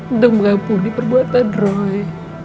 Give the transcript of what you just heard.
untuk mengampuni perbuatan roy